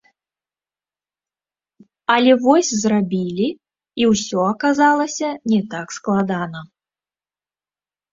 Але вось зрабілі, і ўсё аказалася не так складана.